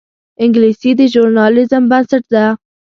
انګلیسي د ژورنالیزم بنسټ ده